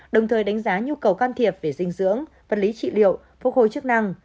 đồng thời đánh giá nhu cầu can thiệp về dinh dưỡng vật lý trị liệu phục hồi chức năng